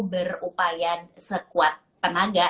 berupaya sekuat tenaga